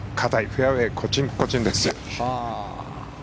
フェアウェーコチンコチンです。